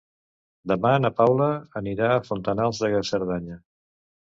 Demà na Paula anirà a Fontanals de Cerdanya.